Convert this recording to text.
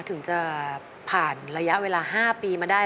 ถึงจะผ่านระยะเวลา๕ปีมาได้